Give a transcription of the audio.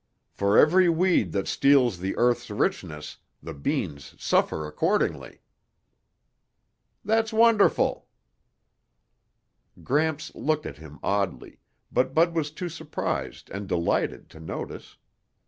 For every weed that steals the earth's richness, the beans suffer accordingly." "That's wonderful!" Gramps looked at him oddly, but Bud was too surprised and delighted to notice.